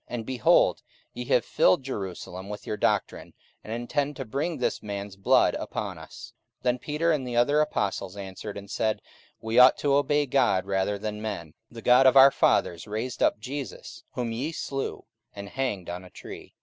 and, behold, ye have filled Jerusalem with your doctrine, and intend to bring this man's blood upon us. 44:005:029 Then Peter and the other apostles answered and said, We ought to obey God rather than men. 44:005:030 The God of our fathers raised up Jesus, whom ye slew and hanged on a tree.